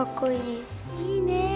いいね。